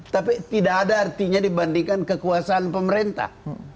tapi tidak ada artinya dibandingkan kekuasaan pemerintah